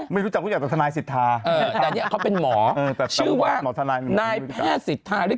มีมาเต้ะกแต่โบราณควร